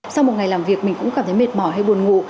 sau một ngày làm việc mình cũng cảm thấy mệt mỏi hay buồn ngủ